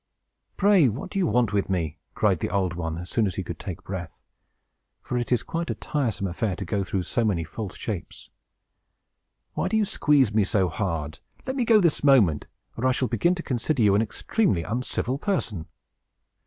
"Pray, what do you want with me?" cried the Old One, as soon as he could take breath; for it is quite a tiresome affair to go through so many false shapes. "Why do you squeeze me so hard? Let me go, this moment, or I shall begin to consider you an extremely uncivil person!"